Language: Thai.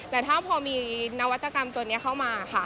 แต่ถ้าพอมีนวัตกรรมตัวนี้เข้ามาค่ะ